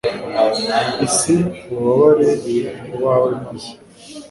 isi, ubagarure mu bawe maze